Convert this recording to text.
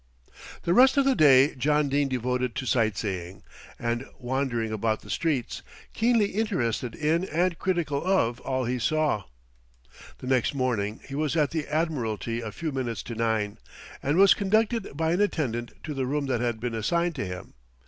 The rest of the day John Dene devoted to sight seeing and wandering about the streets, keenly interested in and critical of all he saw. The next morning he was at the Admiralty a few minutes to nine, and was conducted by an attendant to the room that had been assigned to him.